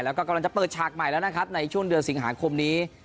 แล้วก็กำลังจะเปิดฉากใหม่แล้วนะครับในช่วงเดือนสิงหาคมนี้